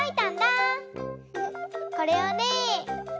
これをね